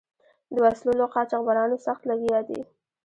د وسلو له قاچبرانو سخت لګیا دي.